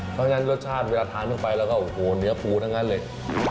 เพราะฉะนั้นรสชาติเวลาทานเข้าไปแล้วก็โอ้โหเนื้อปูทั้งนั้นเลย